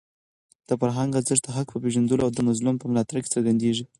د فرهنګ ارزښت د حق په پېژندلو او د مظلوم په ملاتړ کې څرګندېږي.